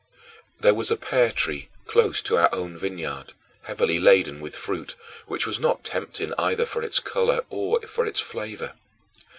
There was a pear tree close to our own vineyard, heavily laden with fruit, which was not tempting either for its color or for its flavor.